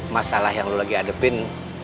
masalah yang lo lagi hadepin